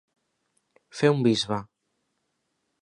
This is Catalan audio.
Fer un bisbe.